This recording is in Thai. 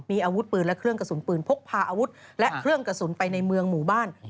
มีอาวุธปืนและเครื่องกระสุนปืนพกพาอาวุธและเครื่องกระสุนไปในเมืองหมู่บ้าน